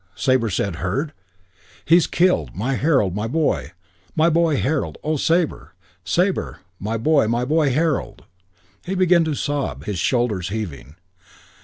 Sabre said, "Heard?" "He's killed. My Harold. My boy. My boy, Harold. Oh, Sabre, Sabre, my boy, my boy, my Harold!" He began to sob; his shoulders heaving.